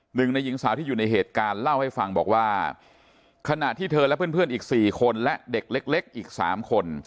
หนึ่งในหญิงสาวที่อยู่ในเหตุการณ์เล่าให้ฟังบอกว่าขณะที่เธอและเพื่อนอีก๔คนและเด็กเล็กอีก๓คน